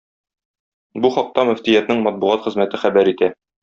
Бу хакта мөфтиятнең матбугат хезмәте хәбәр итә.